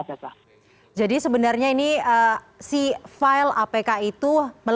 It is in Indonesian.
jadi sebenarnya ini si file apk itu